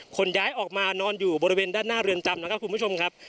ขนย้ายออกมานอนอยู่บริเวณด้านหน้าเรือนจำนะครับคุณผู้ชมครับ